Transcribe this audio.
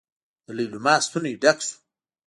د ليلما ستونی ډک شو.